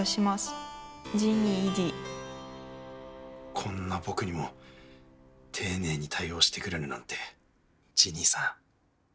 こんな僕にも丁寧に対応してくれるなんてジニーさん